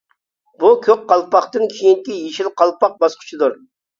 بۇ كۆك قالپاقتىن كېيىنكى يېشىل قالپاق باسقۇچىدۇر.